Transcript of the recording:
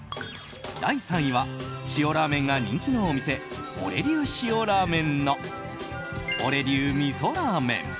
第３位は塩ラーメンが人気のお店俺流塩らーめんの俺流みそらーめん。